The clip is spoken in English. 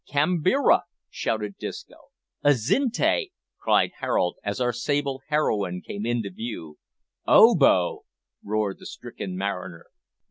"Kambira!" shouted Disco. "Azinte!" cried Harold, as our sable heroine came into view. "Obo!" roared the stricken mariner.